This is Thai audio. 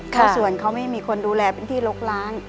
เพราะส่วนเขาไม่มีคนดูแลเป็นที่ลกล้าง